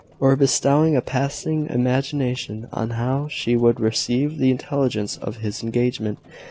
or bestowing a passing imagination on how she would receive the intelligence of his engagement!